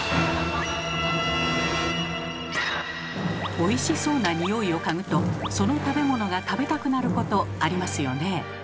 おいしそうな匂いを嗅ぐとその食べ物が食べたくなることありますよねえ。